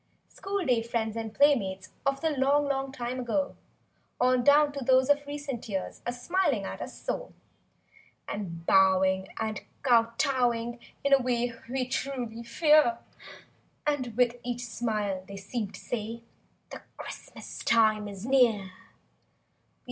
School day friends and playmates of The long, long time ago; On down to those of recent years Are smiling at us so; And bowing and kowtowing in A way we truly fear. And with each smile they seem to say— "The Christmas time is near."